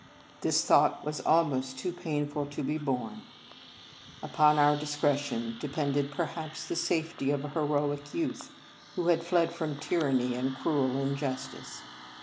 This thought was almost too painful 6 Marianus to be borne. Upon our discretion de pended perhaps the safety of a heroic youth who had fled from tyranny and cruel injustice.